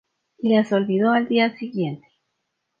Y las olvido al día siguiente.